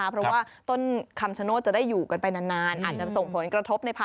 เพราะอย่างน้อยได้เลขมงคลไป